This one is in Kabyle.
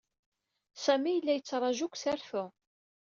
Sami yella yettṛaju deg usartu.